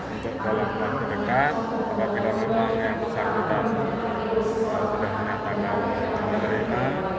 untuk dalam waktu dekat apabila memang yang besar kita sudah menyatakan kepada mereka